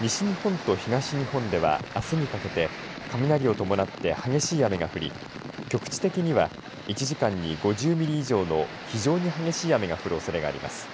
西日本と東日本ではあすにかけて、雷を伴って激しい雨が降り、局地的には１時間に５０ミリ以上の非常に激しい雨が降るおそれがあります。